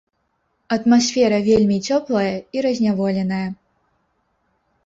Атмасфера вельмі цёплая і разняволеная.